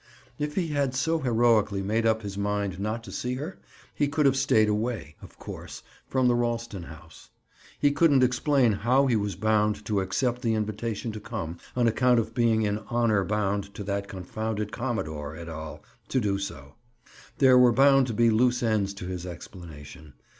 If he had so heroically made up his mind not to see her, he could have stayed away, of course, from the Ralston house. He couldn't explain how he was bound to accept the invitation to come, on account of being in "honor bound" to that confounded commodore, et al., to do so. There were bound to be loose ends to his explanation.